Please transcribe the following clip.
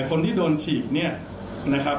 คนที่โดนฉีกเนี่ยนะครับ